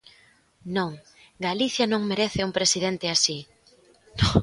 ¡Non, Galicia non merece un presidente así!